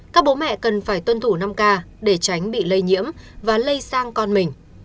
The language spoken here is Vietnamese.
các bố mẹ cần phải tuân thủ năm k để tránh bị lây nhiễm và lây sang con mình